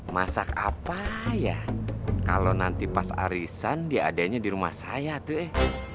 masak apa ya kalau nanti pas arisan dia adanya di rumah saya tuh eh